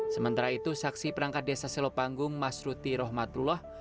sementara itu saksi perangkat desa selopanggung mas ruti rohmatullah